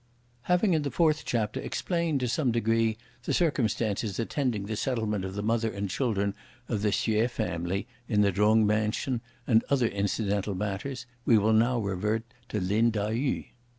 Having in the fourth Chapter explained, to some degree, the circumstances attending the settlement of the mother and children of the Hsüeh family in the Jung mansion, and other incidental matters, we will now revert to Lin Tai yü.